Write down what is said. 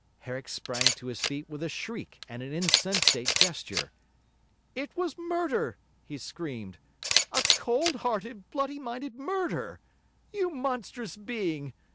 Herrick sprang to his feet with a shriek and an insensate gesture. 'It was a murder,' he screamed. 'A cold hearted, bloody minded murder! You monstrous being!